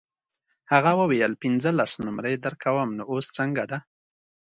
هغه وویل پنځلس نمرې درکوم نو اوس څنګه ده.